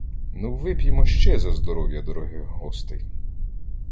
Ну, вип'ємо ще за здоров'я дорогих гостей.